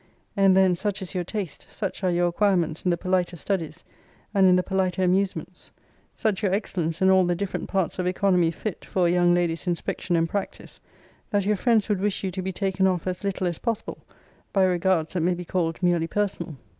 And then, such is your taste, such are your acquirements in the politer studies, and in the politer amusements; such your excellence in all the different parts of economy fit for a young lady's inspection and practice, that your friends would wish you to be taken off as little as possible by regards that may be called merely personal.